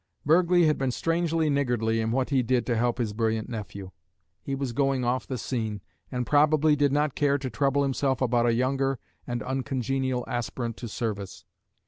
Burghley had been strangely niggardly in what he did to help his brilliant nephew; he was going off the scene, and probably did not care to trouble himself about a younger and uncongenial aspirant to service.